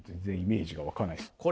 全然イメージが湧かないです。